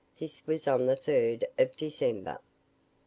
This was on the 3rd of December.